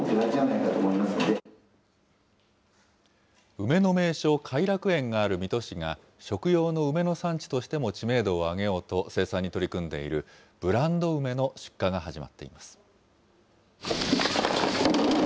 梅の名所、偕楽園がある水戸市が、食用の梅の産地しても知名度を上げようと生産に取り組んでいる、ブランド梅の出荷が始まっています。